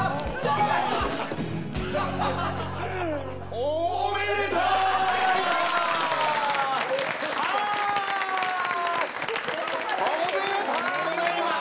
おめでとうございます！